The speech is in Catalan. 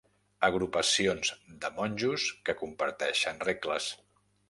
Agrupacions de monjos que comparteixen regles.